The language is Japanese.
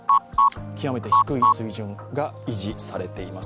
極めて低い水準が維持されています。